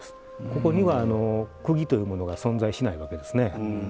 ここには、くぎというものが存在しないわけですね。